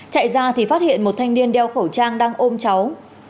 chạy ra thì phát hiện một thanh niên đeo khẩu trang đang ôm cháu